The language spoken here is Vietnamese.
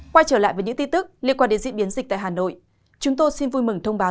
quay trở lại với những tin tức liên quan đến diễn biến dịch tại hà nội chúng tôi xin vui mừng thông báo